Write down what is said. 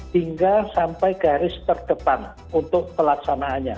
hingga sampai garis terdepan untuk pelaksanaannya